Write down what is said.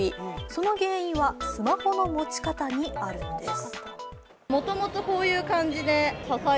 その原因はスマホの持ち方にあるんです。